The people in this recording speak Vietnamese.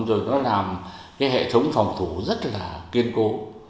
rồi nó làm cái hệ thống phòng thủ rất là kiên cố